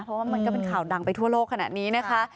เพราะว่ามันก็เป็นข่าวดังไปทั่วโลกขนาดนี้นะคะ